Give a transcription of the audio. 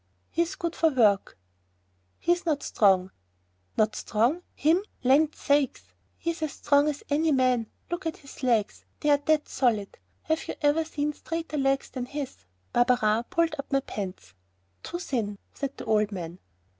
"He's good for work." "He's not strong." "Not strong, him! Land's sakes! He's as strong as any man, look at his legs, they're that solid! Have you ever seen straighter legs than his?" Barberin pulled up my pants. "Too thin," said the old man.